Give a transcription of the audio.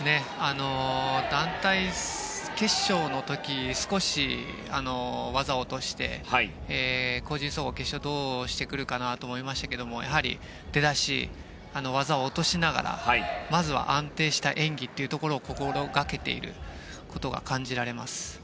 団体決勝の時少し技を落として個人総合決勝どうして来るかなと思いましたけれどやはり出だし、技を落としながらまずは安定した演技というところを心掛けていることが感じられます。